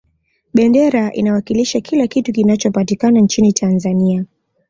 bendera inawakilisha kila kitu kinachopatikana nchini tanzania